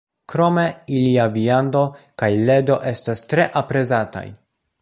Krome, ilia viando kaj ledo estas tre aprezataj.